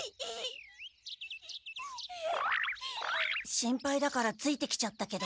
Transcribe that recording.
心配だからついてきちゃったけど。